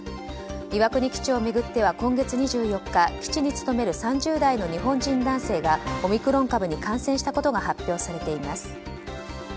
岩国基地を巡っては今月２４日基地に勤める３０代の日本人男性がオミクロン株に感染したことが発表されています。